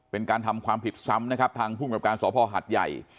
เป็นการทำความผิดซ้ำนะครับทางผู้กรรมกราบการสภหัทยัย